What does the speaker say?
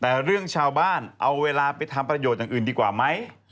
แต่เรื่องชาวบ้านเอาเวลาไปทำประโยชน์อย่างอื่นดีกว่าไหม